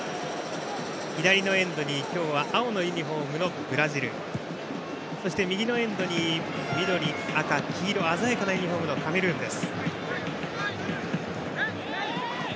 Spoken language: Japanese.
左のエンドに、今日は青のユニフォームのブラジルそして右のエンドに緑、赤、黄色鮮やかなユニフォームのカメルーンです。